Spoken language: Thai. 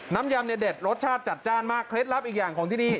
ยำเนี่ยเด็ดรสชาติจัดจ้านมากเคล็ดลับอีกอย่างของที่นี่